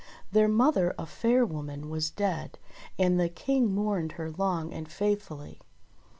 Their mother, a fair woman, was dead, and the King mourned her long and faithfully.